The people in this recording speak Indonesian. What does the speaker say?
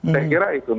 saya kira itu